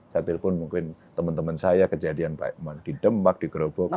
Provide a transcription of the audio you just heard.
sampai pun mungkin teman teman saya kejadian pak iman didemak digerobokkan